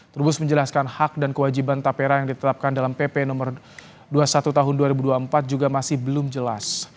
terubus menjelaskan hak dan kewajiban tapera yang ditetapkan dalam pp nomor dua puluh satu tahun dua ribu dua puluh empat juga masih belum jelas